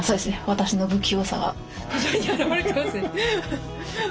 私の不器用さが非常に表れてますね。